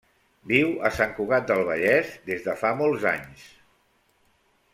Viu a Sant Cugat del Vallès des de fa molts a anys.